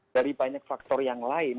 dari banyak faktor yang lain